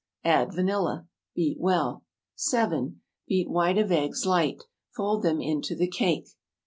Add vanilla. Beat well. 7. Beat white of eggs light. Fold them into the cake.